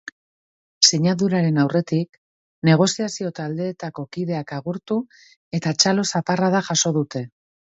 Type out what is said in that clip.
Sinaduraren aurretik, negoziazio taldeetako kideak agurtu eta txalo zaparrada jaso dute.